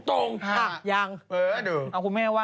ครับยังเออดูไม่เป็นไรนะคุณแม่ว่า